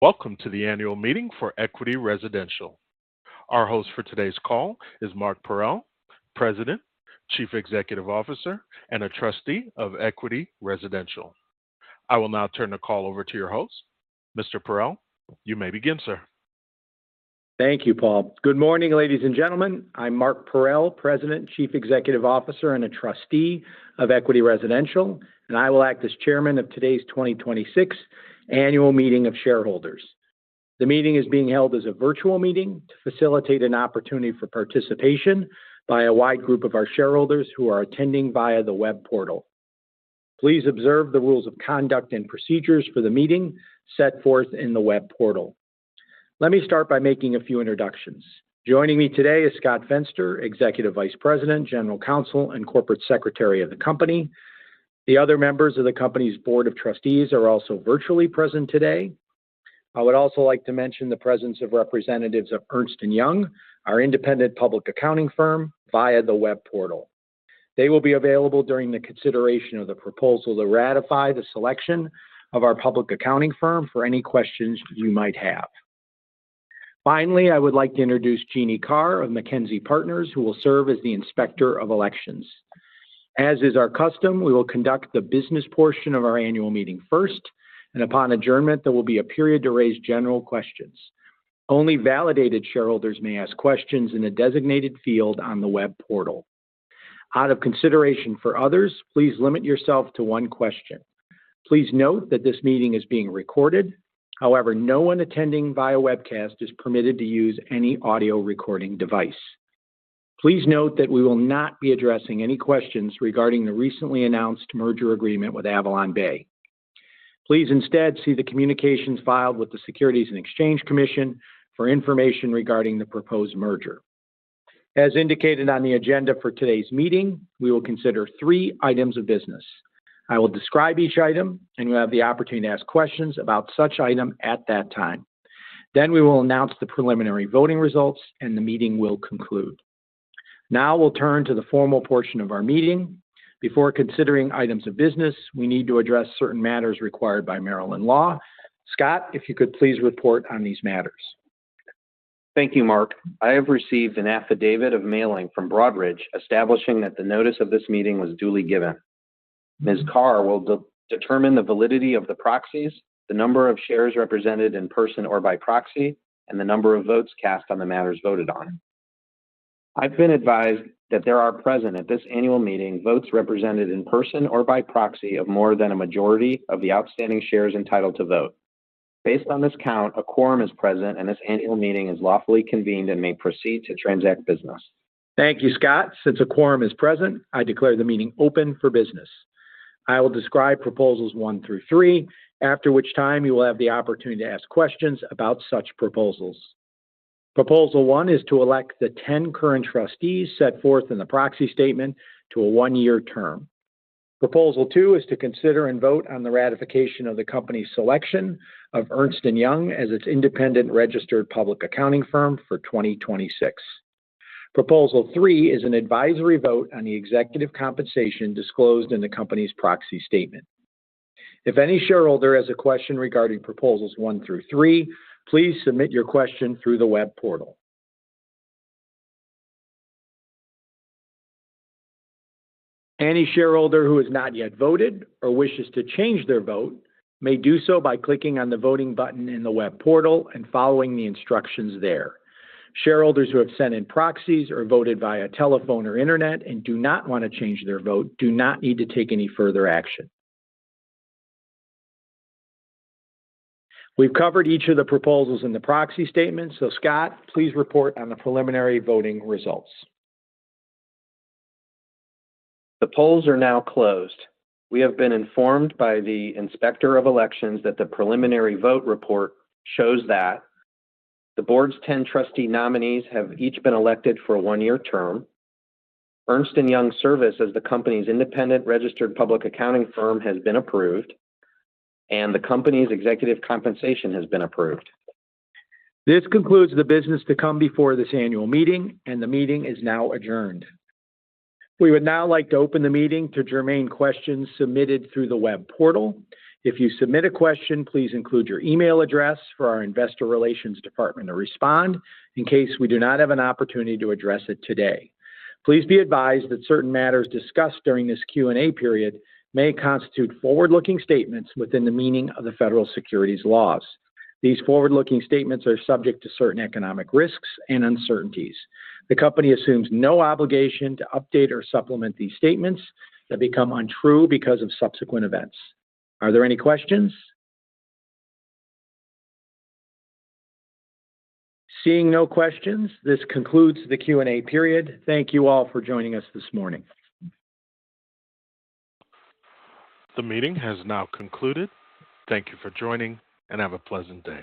Welcome to the annual meeting for Equity Residential. Our host for today's call is Mark Parrell, President, Chief Executive Officer, and a Trustee of Equity Residential. I will now turn the call over to your host. Mr. Parrell, you may begin, sir. Thank you, Paul. Good morning, ladies and gentlemen. I'm Mark Parrell, President, Chief Executive Officer, and a Trustee of Equity Residential, and I will act as Chairman of today's 2026 annual meeting of shareholders. The meeting is being held as a virtual meeting to facilitate an opportunity for participation by a wide group of our shareholders who are attending via the web portal. Please observe the rules of conduct and procedures for the meeting set forth in the web portal. Let me start by making a few introductions. Joining me today is Scott Fenster, Executive Vice President, General Counsel, and Corporate Secretary of the company. The other members of the company's Board of Trustees are also virtually present today. I would also like to mention the presence of representatives of Ernst & Young, our independent public accounting firm, via the web portal. They will be available during the consideration of the proposal to ratify the selection of our public accounting firm for any questions you might have. Finally, I would like to introduce Jeanne Carr of MacKenzie Partners, who will serve as the Inspector of Elections. As is our custom, we will conduct the business portion of our annual meeting first, and upon adjournment, there will be a period to raise general questions. Only validated shareholders may ask questions in a designated field on the web portal. Out of consideration for others, please limit yourself to one question. Please note that this meeting is being recorded. However, no one attending via webcast is permitted to use any audio recording device. Please note that we will not be addressing any questions regarding the recently announced merger agreement with AvalonBay. Please instead see the communications filed with the Securities and Exchange Commission for information regarding the proposed merger. As indicated on the agenda for today's meeting, we will consider three items of business. I will describe each item, and you will have the opportunity to ask questions about such item at that time. We will announce the preliminary voting results, and the meeting will conclude. We'll turn to the formal portion of our meeting. Before considering items of business, we need to address certain matters required by Maryland law. Scott, if you could please report on these matters. Thank you, Mark. I have received an affidavit of mailing from Broadridge establishing that the notice of this meeting was duly given. Ms. Carr will determine the validity of the proxies, the number of shares represented in person or by proxy, and the number of votes cast on the matters voted on. I've been advised that there are present at this annual meeting votes represented in person or by proxy of more than a majority of the outstanding shares entitled to vote. Based on this count, a quorum is present, and this annual meeting is lawfully convened and may proceed to transact business. Thank you, Scott. A quorum is present, I declare the meeting open for business. I will describe proposals one through three, after which time you will have the opportunity to ask questions about such proposals. Proposal one is to elect the 10 current trustees set forth in the proxy statement to a one-year term. Proposal two is to consider and vote on the ratification of the company's selection of Ernst & Young as its independent registered public accounting firm for 2026. Proposal three is an advisory vote on the executive compensation disclosed in the company's proxy statement. If any shareholder has a question regarding proposals one through three, please submit your question through the web portal. Any shareholder who has not yet voted or wishes to change their vote may do so by clicking on the voting button in the web portal and following the instructions there. Shareholders who have sent in proxies or voted via telephone or internet and do not want to change their vote do not need to take any further action. We've covered each of the proposals in the proxy statement. Scott, please report on the preliminary voting results. The polls are now closed. We have been informed by the Inspector of Elections that the preliminary vote report shows that the board's 10 trustee nominees have each been elected for a one-year term, Ernst & Young's service as the company's independent registered public accounting firm has been approved, and the company's executive compensation has been approved. This concludes the business to come before this annual meeting, and the meeting is now adjourned. We would now like to open the meeting to germane questions submitted through the web portal. If you submit a question, please include your email address for our investor relations department to respond in case we do not have an opportunity to address it today. Please be advised that certain matters discussed during this Q&A period may constitute forward-looking statements within the meaning of the federal securities laws. These forward-looking statements are subject to certain economic risks and uncertainties. The company assumes no obligation to update or supplement these statements that become untrue because of subsequent events. Are there any questions? Seeing no questions, this concludes the Q&A period. Thank you all for joining us this morning. The meeting has now concluded. Thank you for joining, and have a pleasant day.